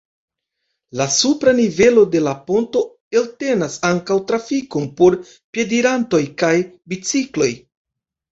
La supra nivelo de la ponto eltenas ankaŭ trafikon por piedirantoj kaj bicikloj.